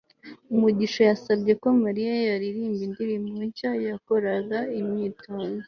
mugisha yasabye ko mariya yaririmba indirimbo nshya yakoraga imyitozo